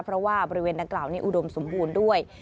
เพราะว่าบริเวณดังกล่าวนี้อุดมสมบูรณ์ด้วย